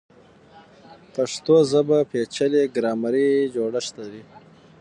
پښتو ژبه پیچلی ګرامري جوړښت لري.